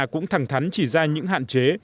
cũng thẳng thắn chỉ ra những hạn chế